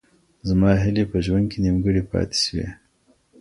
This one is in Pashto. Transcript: زما هیلې په ژوند کي نیمګړې پاتې سوې.